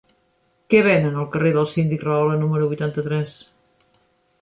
Què venen al carrer del Síndic Rahola número vuitanta-tres?